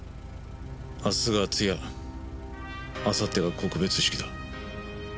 明日が通夜あさってが告別式だ。